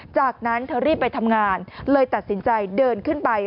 จากนั้นเธอรีบไปทำงานเลยตัดสินใจเดินขึ้นไป